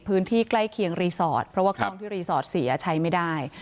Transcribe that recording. ใกล้เคียงรีสอร์ทเพราะว่ากล้องที่รีสอร์ทเสียใช้ไม่ได้